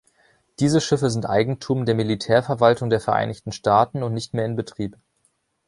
Diese Schiffe sind Eigentum der Militärverwaltung der Vereinigten Staaten und nicht mehr in Betrieb.